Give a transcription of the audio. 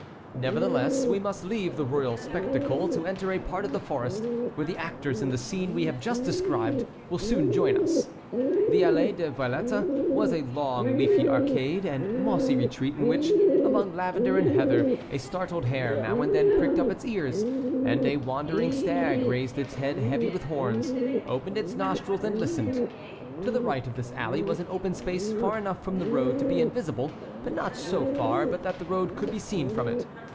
Nevertheless we must leave the royal spectacle to enter a part of the forest where the actors in the scene we have just described will soon join us. The Allée des Violettes was a long, leafy arcade and mossy retreat in which, among lavender and heather, a startled hare now and then pricked up its ears, and a wandering stag raised its head heavy with horns, opened its nostrils, and listened. To the right of this alley was an open space far enough from the road to be invisible, but not so far but that the road could be seen from it.